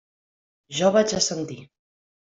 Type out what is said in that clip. Jo vaig assentir.